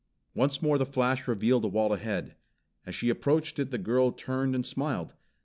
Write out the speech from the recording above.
Once more the flash revealed a wall ahead. As she approached it the girl turned and smiled.